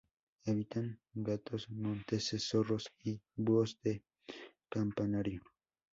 Habitan gatos monteses, zorros y búhos de campanario.